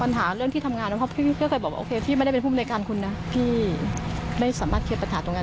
ไม่เหมียนไม่รู้เหมือนกันนะเราไม่ได้คุยอะไรกับผู้หูไม่เลยให้เราฟัง